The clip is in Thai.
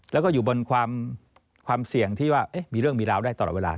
แล้วก็อยู่บนความเสี่ยงที่ว่ามีเรื่องมีราวได้ตลอดเวลา